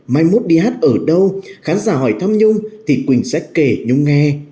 mai mốt đi hát ở đâu khán giả hỏi thăm nhung thì quỳnh sẽ kể nhung nghe